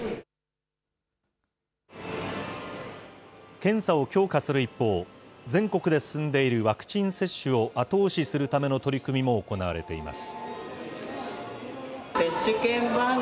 検査を強化する一方、全国で進んでいるワクチン接種を後押しするための取り組みも行われています。